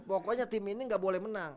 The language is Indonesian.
pokoknya tim ini nggak boleh menang